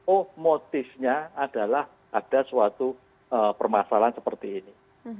oh motifnya adalah ada suatu permasalahan seperti ini